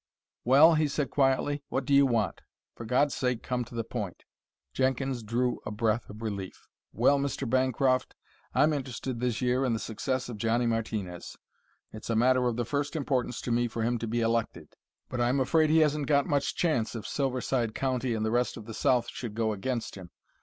"Well," he said quietly, "what do you want? For God's sake, come to the point!" Jenkins drew a breath of relief. "Well, Mr. Bancroft, I'm interested this year in the success of Johnny Martinez. It's a matter of the first importance to me for him to be elected. But I'm afraid he hasn't got much chance if Silverside County and the rest of the South should go against him.